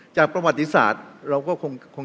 จากประวัติศาสตร์เราก็คง